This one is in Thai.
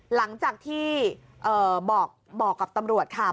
หลังจากที่บอกกับตำรวจค่ะ